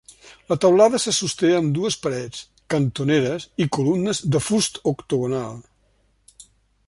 La teulada se sosté amb dues parets, cantoneres i columnes de fust octogonal.